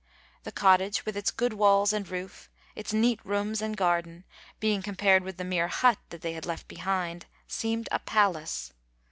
The cottage, with its good walls and roof, its neat rooms and garden, being compared with the mere hut they had left behind, seemed a palace.